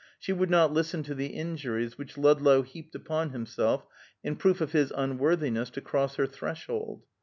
She would not listen to the injuries which Ludlow heaped upon himself in proof of his unworthiness to cross her threshold.